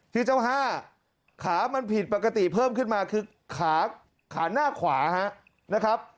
ที่เจ้าห้าขามันผิดปกติเพิ่มขึ้นมาคือขาขาหน้าขวานะครับ